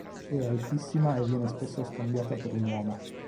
È altissima e viene spesso scambiata per un uomo.